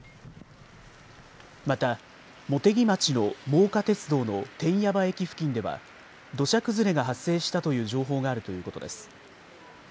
また茂木町の真岡鐵道の天矢場駅付近では土砂崩れが発生したという情報があるということです。